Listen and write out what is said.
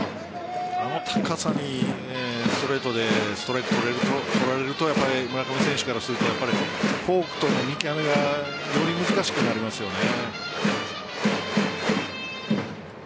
あの高さにストレートでストライクを取られると村上選手からするとやっぱりフォークとの見極めがより難しくなりますよね。